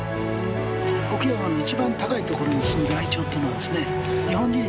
奥山の一番高い所にすむライチョウっていうのはですね